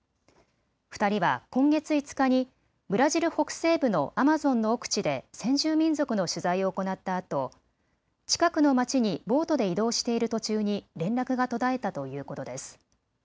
２人は今月５日にブラジル北西部のアマゾンの奥地で先住民族の取材を行ったあと、近くの町にボートで移動している途中に連絡が途絶えたということです。